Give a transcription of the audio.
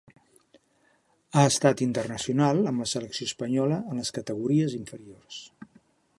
Ha estat internacional amb la selecció espanyola en les categories inferiors.